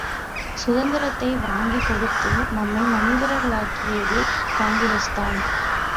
சுதந்தரத்தை வாங்கிக் கொடுத்து நம்மை மனிதர்களாக்கியதே காங்கிரஸ்தான்!